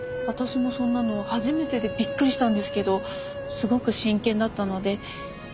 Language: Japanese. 私もそんなの初めてでびっくりしたんですけどすごく真剣だったので。